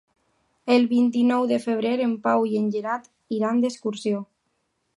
El vint-i-nou de febrer en Pau i en Gerard iran d'excursió.